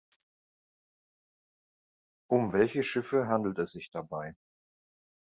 Um welche Schiffe handelt es sich dabei?